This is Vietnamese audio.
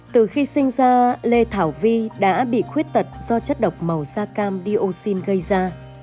từ khi sinh ra lê thảo vi đã bị khuyết tật do chất độc màu da cam dioxin gây ra